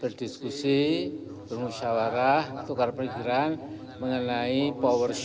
berdiskusi bermusyawarah tukar perikiran mengenai power shift